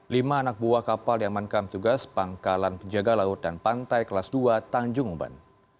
lima anak buah kapal diamankan tugas pangkalan penjaga laut dan pantai kelas dua tanjung uban